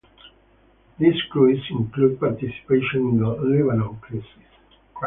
This cruise included participation in the Lebanon crisis.